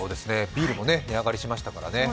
ビールも値上がりしましたからね。